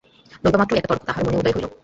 লইবামাত্র একটা তর্ক তাহার মনে উদয় হইল।